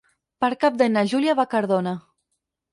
Per Cap d'Any na Júlia va a Cardona.